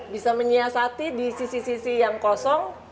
bisa menyiasati di sisi sisi yang kosong